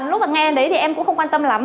lúc mà nghe em đấy thì em cũng không quan tâm lắm